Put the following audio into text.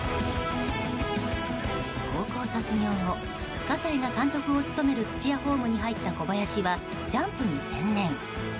高校卒業後、葛西が監督を務める土屋ホームに入った小林はジャンプに専念。